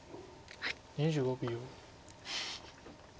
２５秒。